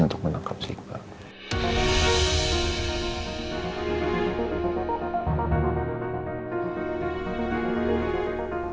untuk menangkap si iqbal